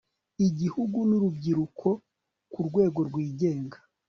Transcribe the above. igihugu nurubyiruko ku rwego rwigenga